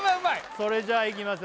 それじゃいきますよ